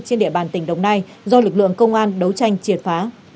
trên địa bàn tỉnh đồng nai do lực lượng công an đấu tranh triệt phá